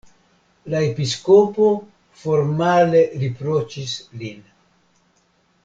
La episkopo formale riproĉis lin.